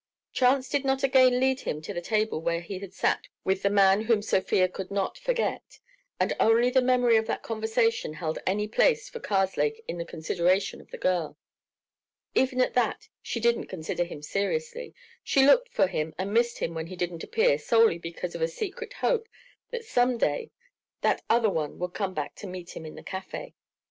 Chance did not again lead him to the table where he had sat with the man whom Sofia could not forget, and only the memory of that conversation held any place for Karslake in the consideration of the girl. Even at that she didn't consider him seriously, she looked for him and missed him when he didn't appear solely because of a secret hope that some day that other one would come back to meet him in the café.